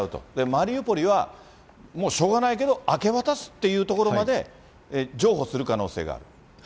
マリウポリは、もうしょうがないけど、明け渡すっていうところまで譲歩する可能性がある？